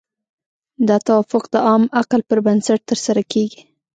دا توافق د عام عقل پر بنسټ ترسره کیږي.